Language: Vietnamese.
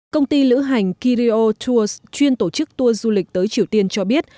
công ty lữ hành kirio tour chuyên tổ chức tour du lịch tới triều tiên cho biết